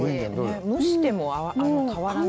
蒸しても変わらない。